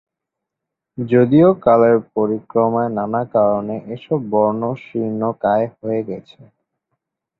যদিও কালের পরিক্রমায় নানা কারণে এসব বন শীর্ণকায় হয়ে গেছে।